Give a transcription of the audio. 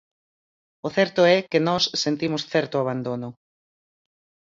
O certo é que nós sentimos certo abandono.